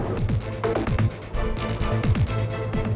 aku mau ke rumah